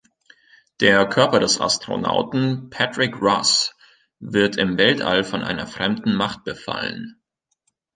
Der Körper des Astronauten Patrick Ross wird im Weltall von einer fremden Macht befallen.